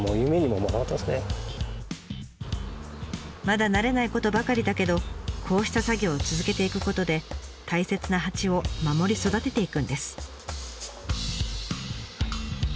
まだ慣れないことばかりだけどこうした作業を続けていくことで大切な蜂を守り育てていくんです。